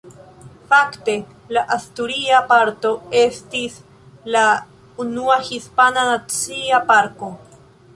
Fakte la asturia parto estis la unua hispana nacia parko.